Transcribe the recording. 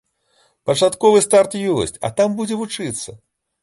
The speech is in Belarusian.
Пачатковы старт ёсць, а там будзе вучыцца.